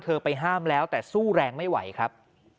ไปห้ามแล้วแต่สู้แรงไม่ไหวครับ